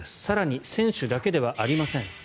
更に、選手だけではありません。